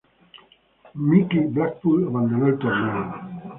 Mighty Blackpool abandonó el torneo.